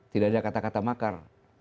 tidak ada kata kata makar